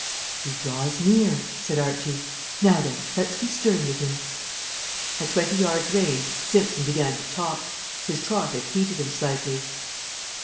"He draws near," said Archie. "Now then, let's be stern with him." At twenty yards' range Simpson began to talk. His trot had heated him slightly.